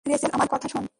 Rachel, আমার কথা শোন।